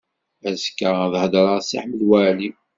Azekka ad hedreɣ i Si Ḥmed Waɛli.